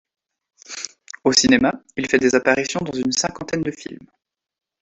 Au cinéma, il fait des apparitions dans une cinquantaine de films.